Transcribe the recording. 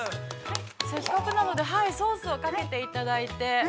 せっかくなので、ソースをかけていただいて。